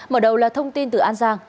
mở đầu là thông tin từ an giang